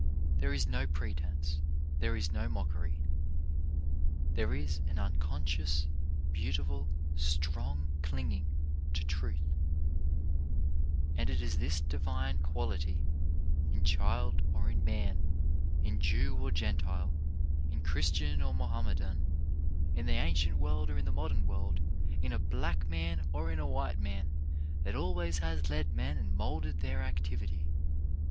There is no pretence. There is no mockery. There is an unconscious, beautiful, strong clinging to truth; and it is this divine quality in child or in man, in Jew or Gentile, in Christian or Mohammedan, in the ancient world or in the modern world, in a black man or in a white man, that always has led men and moulded their ac tivity.